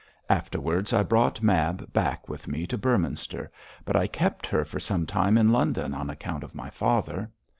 Afterwards I brought Mab back with me to Beorminster, but I kept her for some time in London on account of my father.